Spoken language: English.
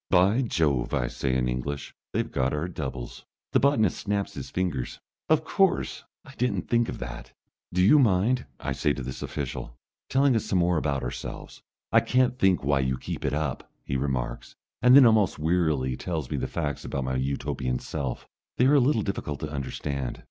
"By Jove!" I say in English. "They've got our doubles!" The botanist snaps his fingers. "Of course! I didn't think of that." "Do you mind," I say to this official, "telling us some more about ourselves?" "I can't think why you keep it up," he remarks, and then almost wearily tells me the facts about my Utopian self. They are a little difficult to understand.